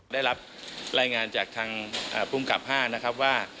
ได้รับรายงานจากทางภูมิกับ๕นะครับว่า